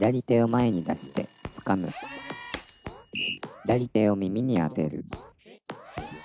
「左手を耳にあてる」ピッ！